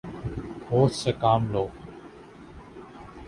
ہوش سے کام لو